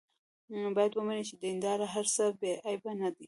باید ومني چې د دیندارو هر څه بې عیبه نه دي.